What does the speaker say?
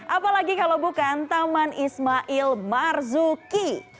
apalagi kalau bukan taman ismail marzuki